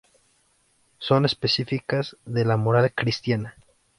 Son específicas de la moral cristiana.